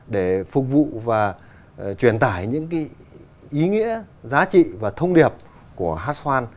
để phục vụ và truyền tải những ý nghĩa giá trị và thông điệp của hát xoan